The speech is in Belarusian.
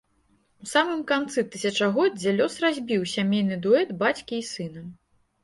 У самым канцы тысячагоддзя лёс разбіў сямейны дуэт бацькі і сына.